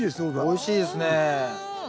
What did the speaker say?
おいしいですね。